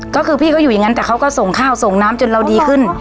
ก็คือพี่ก็อยู่อย่างนั้นแต่เขาก็ส่งข้าวส่งน้ำจนเราดีขึ้น